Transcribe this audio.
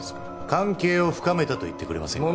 関係を深めたと言ってくれませんか？